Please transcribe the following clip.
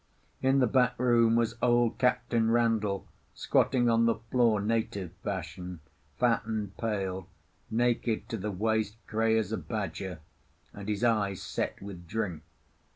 In the back room was old Captain Randall, squatting on the floor native fashion, fat and pale, naked to the waist, grey as a badger, and his eyes set with drink.